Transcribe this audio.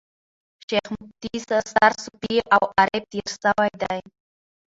شېخ متي ستر صوفي او عارف تېر سوی دﺉ.